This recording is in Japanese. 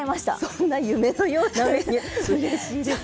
そんな夢のようなメニューうれしいです。